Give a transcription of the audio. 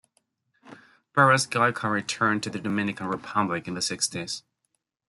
Beras Goico returned to the Dominican Republic in the sixties.